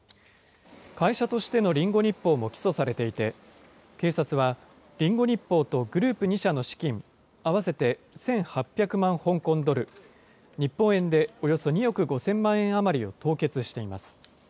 会社としてのリンゴ日報も起訴されていて、警察は、リンゴ日報とグループ２社の資金、合わせて１８００万香港ドル、日本円でおよそ２億５０００万円余りを凍結しています。